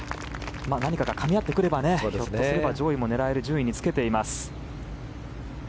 何かがかみ合ってくればひょっとすれば上位も狙える順位につけています。